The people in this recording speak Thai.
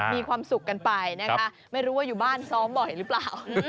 มีความสุขกันไปนะคะไม่รู้ว่าอยู่บ้านซ้อมบ่อยหรือเปล่า